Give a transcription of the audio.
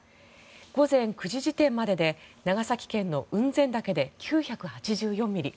午前９時時点までで長崎県の雲仙岳で９８４ミリ